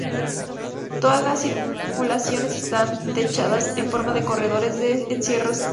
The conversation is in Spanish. Todas las circulaciones están techadas en forma de corredores que encierran los patios.